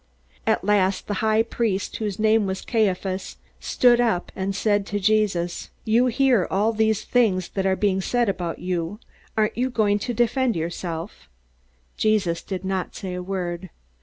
At last the high priest, whose name was Caiaphas, stood up and said to Jesus: "You hear all the things that are being said about you. Aren't you going to defend yourself?" Jesus did not say a word.